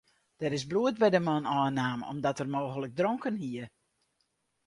Der is bloed by de man ôfnaam om't er mooglik dronken hie.